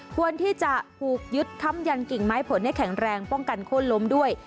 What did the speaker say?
ควรที่จะผูกยึดค้ำยันกิ่งไม้ผลให้แข็งแรงป้องกันโค้นล้มด้วย